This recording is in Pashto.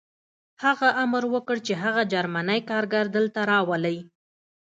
هغه امر وکړ چې هغه جرمنی کارګر دلته راولئ